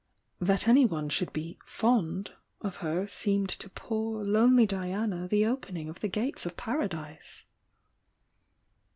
"That anyone should be "fond" of her seemed to poor, lonely Diana the opening of the gates of Paradise.